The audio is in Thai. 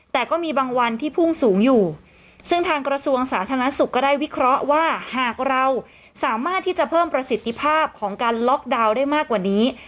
แต่ก็มีบางวันที่พุ่งสูงอยู่ซึ่งทางกระทรวงสาธารณสุขก็ได้วิเคราะห์ว่าหากเราสามารถที่จะเพิ่มประสิทธิภาพของการล็อกดาวน์ได้มากกว่านี้